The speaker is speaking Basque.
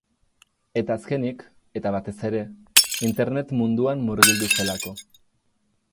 Eta azkenik, eta batez ere, internet munduan murgildu zelako.